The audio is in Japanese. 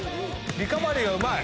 リカバリーがうまい。